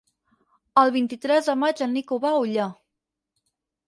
El vint-i-tres de maig en Nico va a Ullà.